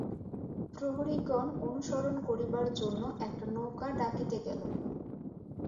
প্রহরীগণ অনুসরণ করিবার জন্য একটা নৌকা ডাকিতে গেল।